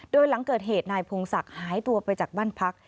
โดยหลังเกิดเหตุนายพงศักดิ์หายตัวไปจากบ้านพัก